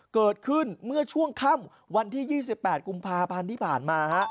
เกิดขึ้นเมื่อช่วงค่ำวันที่๒๘กุมภาพันธ์ที่ผ่านมา